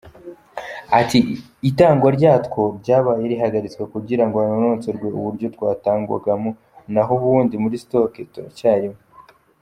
Ati :’’ Itangwa ryatwo ryabaye rihagaritswe kugirango hanonosorwe uburyo twatangwagamo, naho ubundi muri stock turacyarimo”.